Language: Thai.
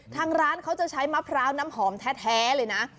ทางร้านเขาจะใช้มะพร้าวน้ำหอมแท้เลยนะ